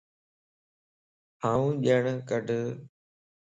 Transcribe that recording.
آنڃڻ ڪڍ